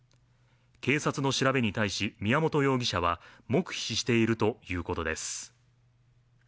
警察の調べに対し宮本容疑者は黙秘しているということです。